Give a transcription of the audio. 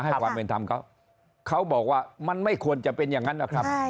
ให้ความเหมือนทำเขาเขาบอกว่ามันไม่ควรจะเป็นอย่างนั้นนะ